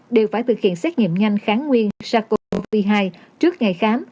đều phải thực hiện xét nghiệm nhanh kháng nguyên sars cov hai trước ngày khám